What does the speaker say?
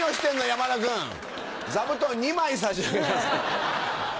山田君座布団２枚差し上げなさい。